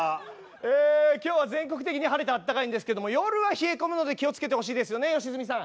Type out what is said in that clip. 「え今日は全国的に晴れてあったかいんですけれども夜は冷え込むので気をつけてほしいですよね良純さん」。